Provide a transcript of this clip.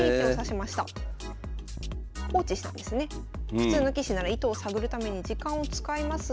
普通の棋士なら意図を探るために時間を使いますが。